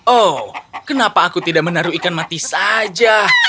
oh kenapa aku tidak menaruh ikan mati saja